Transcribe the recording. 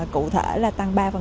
cụ thể là tăng ba